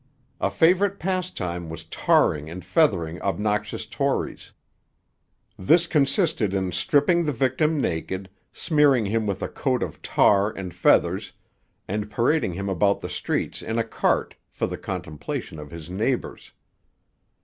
A favourite pastime was tarring and feathering 'obnoxious Tories.' This consisted in stripping the victim naked, smearing him with a coat of tar and feathers, and parading him about the streets in a cart for the contemplation of his neighbours.